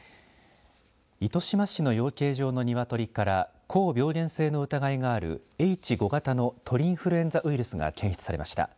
糸島市の養鶏場の鶏から高病原性の疑いがあるＨ５型の鳥インフルエンザウイルスが検出されました。